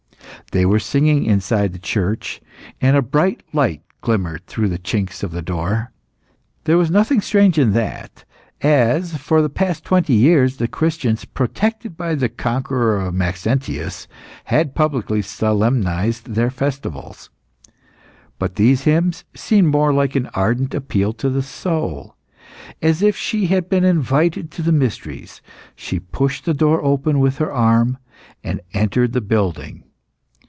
They were singing inside the church, and a bright light glimmered through the chinks of the door. There was nothing strange in that, as, for the past twenty years, the Christians, protected by the conqueror of Maxentius, had publicly solemnised their festivals. But these hymns seemed more like an ardent appeal to the soul. As if she had been invited to the mysteries, she pushed the door open with her arm, and entered the building.